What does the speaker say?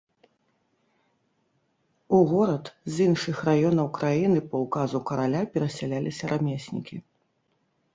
У горад з іншых раёнаў краіны па ўказу караля перасяляліся рамеснікі.